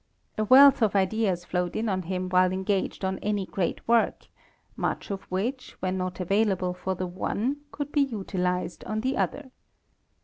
A wealth of ideas flowed in on him while engaged on any great work, much of which, when not available for the one, could be utilized on the other.